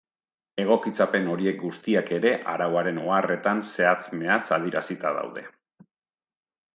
Egokitzapen horiek guztiak ere arauaren oharretan zehatz-mehatz adierazita daude.